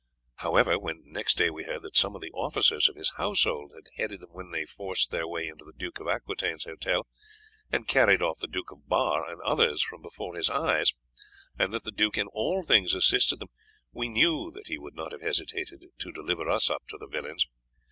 However, when next day we heard that some of the officers of his household had headed them when they forced their way into the Duke of Aquitaine's hotel, and carried off the Duke of Bar and others from before his eyes, and that the duke in all things assisted them, we knew that he would not have hesitated to deliver us up to the villains.